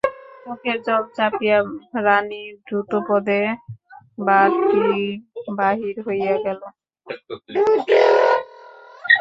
চোখের জল চাপিয়া রানী দ্রুতপদে বাটীর বাহির হইয়া গেল।